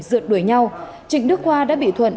dượt đuổi nhau trịnh đức hoa đã bị thuận